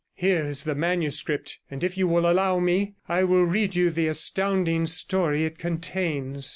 Here is the manuscript, and if you will allow me, I will read you the astounding story it contains.